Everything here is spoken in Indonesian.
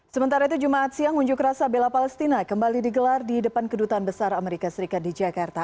sementara itu jumat siang unjuk rasa bela palestina kembali digelar di depan kedutaan besar amerika serikat di jakarta